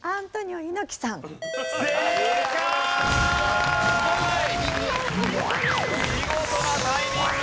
はい。